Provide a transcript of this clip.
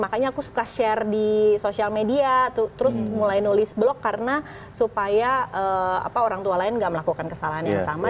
makanya aku suka share di sosial media terus mulai nulis blog karena supaya orang tua lain gak melakukan kesalahan yang sama